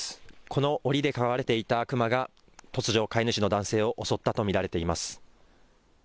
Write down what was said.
このおりで飼われていたクマが突如、飼い主の男性を襲ったと見られています。